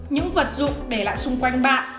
những vật dụng để lại xung quanh bạn